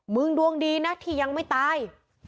ดวงดีนะที่ยังไม่ตาย